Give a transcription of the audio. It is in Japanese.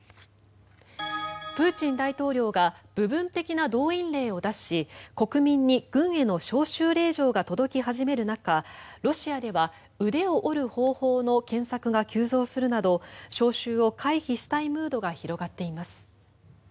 プーチン大統領が部分的な動員令を出し国民に軍への招集令状が届き始める中ロシアでは「腕を折る方法」の検索が急増するなど招集を回避したいムードが広がっています。